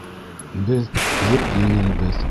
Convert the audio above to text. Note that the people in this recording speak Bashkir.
- Беҙ еп-еңелбеҙ.